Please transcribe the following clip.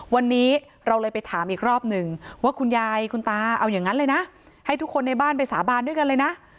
วันนี้เราเลยไปถามอีกรอบหนึ่งว่าคุณยายคุณตาเอาอย่างนั้นเลยนะให้ทุกคนในบ้านไปสาบานด้วยกันเลยนะ